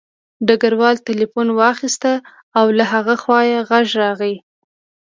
ډګروال تیلیفون واخیست او له هغه خوا غږ راغی